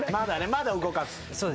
まだ動かず。